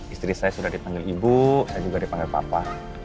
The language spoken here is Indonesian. istri saya sudah dipanggil ibu saya juga dipanggil papa